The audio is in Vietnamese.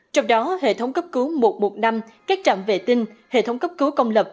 trong đó hệ thống cấp cứu một trăm một mươi năm các trạm vệ tinh hệ thống cấp cứu công lập